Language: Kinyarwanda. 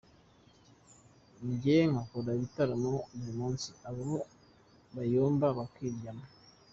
Njye nkora ibitaramo buri munsi abo bayomba bakiryamye.